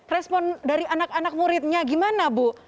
respon dari anak anak muridnya gimana bu